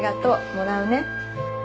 もらうね。